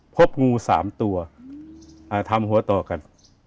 พบงูสามตัวอ่าทำหัวต่อกันอ๋อ